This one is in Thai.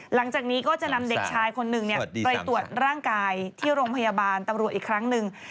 หลังจากนี้ก็จะนำเด็กชายคนหนึ่งไปตรวจร่างกายที่โรงพยาบาลตำรวจอีกครั้งหนึ่ง